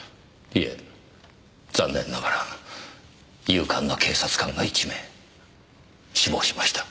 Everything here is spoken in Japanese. いえ残念ながら勇敢な警察官が１名死亡しました。